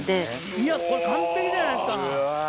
いやこれ完璧じゃないですか！